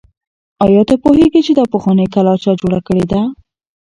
آیا ته پوهېږې چې دا پخوانۍ کلا چا جوړه کړې ده؟